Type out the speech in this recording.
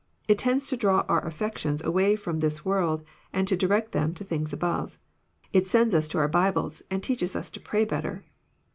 It tends to draw our affections away from this world, and to direct them to things above. It sends us to our Bibles, and teaches us to pray better.